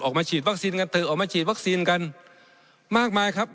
ออกมาฉีดวัคซีนกันเถอะออกมาฉีดวัคซีนกันมากมายครับ